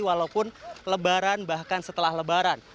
walaupun lebaran bahkan setelah lebaran